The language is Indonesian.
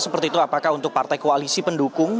seperti itu apakah untuk partai koalisi pendukung